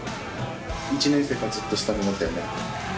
１年生からずっとスタメンだったよね。